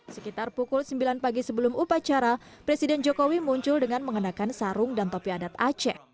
sekitar pukul sembilan pagi sebelum upacara presiden jokowi muncul dengan mengenakan sarung dan topi adat aceh